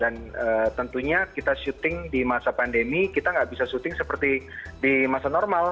dan tentunya kita syuting di masa pandemi kita nggak bisa syuting seperti di masa normal